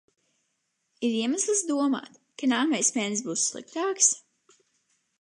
Ir iemesls domāt, ka nākamais mēnesis būs sliktāks?